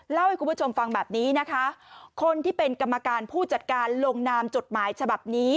เล่าให้คุณผู้ชมฟังแบบนี้นะคะคนที่เป็นกรรมการผู้จัดการลงนามจดหมายฉบับนี้